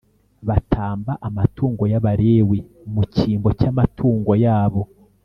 Batamba amatungo y’Abalewi mu cyimbo cy’amatungo yabo